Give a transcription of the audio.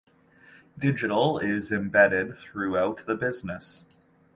Digital is embedded throughout the business.